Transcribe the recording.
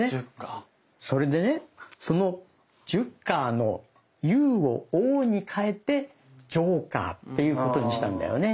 それでねそのジュッカーの「Ｕ」を「Ｏ」に変えて「ジョーカー」って言うことにしたんだよね。